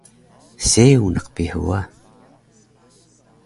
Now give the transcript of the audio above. Seung naq Pihu wa